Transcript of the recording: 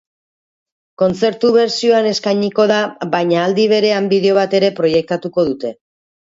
Kontzertu bertsioan eskainiko da baina aldi berean bideo bat ere proiektatuko dute.